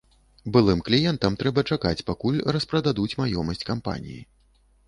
Былым кліентам трэба чакаць, пакуль распрададуць маёмасць кампаніі.